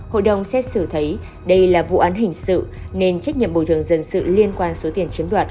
hội đồng xét xử thấy đây là vụ án hình sự nên trách nhiệm bồi thường dân sự liên quan số tiền chiếm đoạt